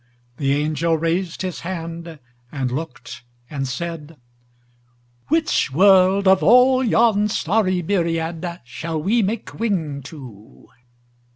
The angel raised his hand and looked and said, "Which world, of all yon starry myriad Shall we make wing to?"